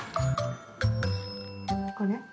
これ？